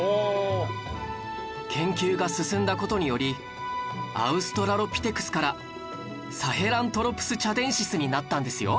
研究が進んだ事によりアウストラロピテクスからサヘラントロプス・チャデンシスになったんですよ